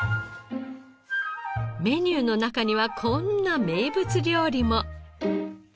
メニューの中にはこんな名物料理も。